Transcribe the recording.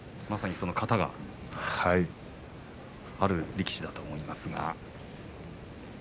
まさに型のある力士だと思いますが。